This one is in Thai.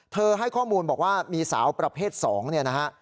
ให้ข้อมูลบอกว่ามีสาวประเภท๒เนี่ยนะฮะ